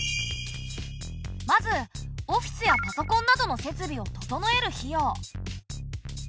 まずオフィスやパソコンなどの設備を整える費用。